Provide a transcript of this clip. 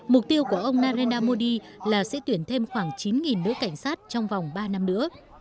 mục tiêu của ông narendra modi là sẽ tuyển thêm khoảng chín nữ cảnh sát trong vòng ba năm nữa